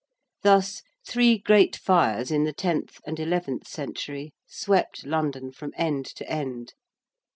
Thus, three great fires in the tenth and eleventh century swept London from end to end.